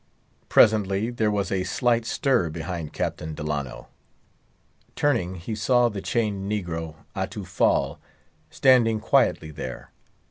Presently there was a slight stir behind Captain Delano. Turning, he saw the chained negro, Atufal, standing quietly there.